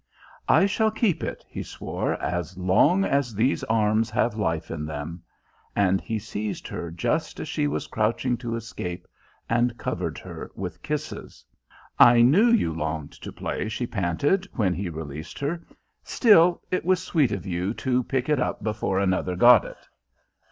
"I shall keep it," he swore, "as long as these arms have life in them," and he seized her just as she was crouching to escape, and covered her with kisses. "I knew you longed to play," she panted, when he released her. "Still, it was sweet of you to pick it up before another got it."